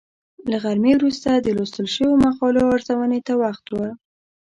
له غرمې وروسته د لوستل شویو مقالو ارزونې ته وخت و.